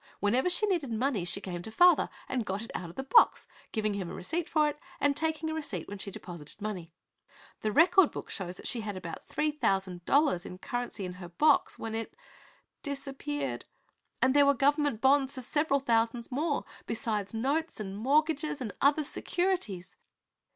Whenever she needed money she came to father and got it out of the box, giving him a receipt for it and taking a receipt when she deposited money. The record book shows that she had about three thousand dollars in currency in her box when it disappeared; and there were government bonds for several thousands more, besides notes and mortgages and other securities."